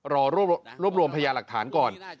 รอรวบรวมพยาหลักฐานก่อน